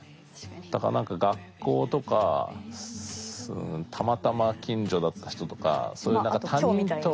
だから何か学校とかたまたま近所だった人とかそういう他人と。